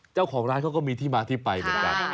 เจ้าของร้านเขาก็มีที่มาที่ไปเหมือนกัน